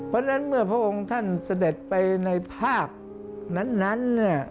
เพราะฉะนั้นเมื่อพระองค์ท่านเสด็จไปในภาพนั้น